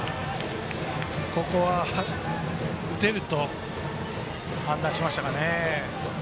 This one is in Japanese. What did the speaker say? ここは、打てると判断しましたかね。